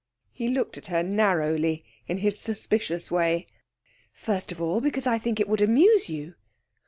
He looked at her narrowly, in his suspicious way. 'First of all, because I think it would amuse you.'